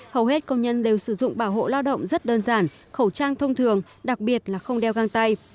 hầu hết công nhân đều sử dụng bảo hộ lao động rất đơn giản khẩu trang thông thường đặc biệt là không đeo găng tay